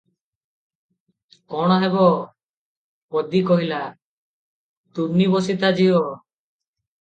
କଣ ହେବ?" ପଦୀ କହିଲା, "ତୁନି ବସିଥା ଝିଅ ।